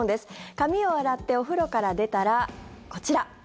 髪を洗ってお風呂から出たらこちら。